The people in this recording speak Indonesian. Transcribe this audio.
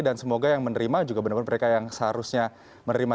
dan semoga yang menerima juga benar benar mereka yang seharusnya menerima